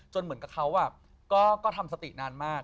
เหมือนกับเขาก็ทำสตินานมาก